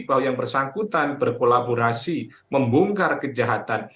bahwa yang bersangkutan berkolaborasi membongkar kejahatan